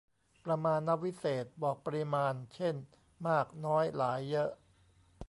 ประมาณวิเศษณ์ บอกปริมาณ เช่น มาก น้อย หลาย เยอะ